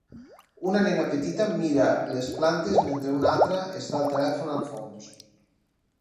Una nena petita mira les plantes mentre una altra està al telèfon al fons.